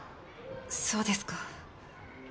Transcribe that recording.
そうですか。